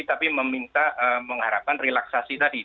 tapi meminta mengharapkan relaksasi tadi